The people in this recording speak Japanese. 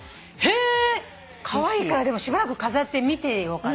カワイイからしばらく飾って見てようかな。